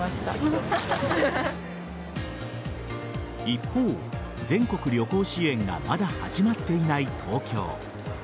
一方、全国旅行支援がまだ始まっていない東京。